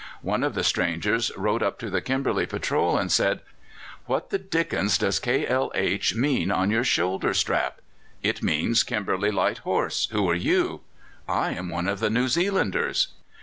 One of the strangers rode up to the Kimberley patrol, and said: "'What the dickens does K.L.H. mean on your shoulder strap?' "'It means Kimberley Light Horse. Who are you?' "'I am one of the New Zealanders.